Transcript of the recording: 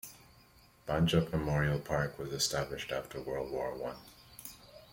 Banjup Memorial Park was established after World War One.